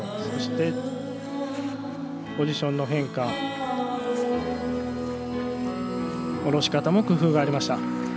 そして、ポジションの変化降ろし方も工夫がありました。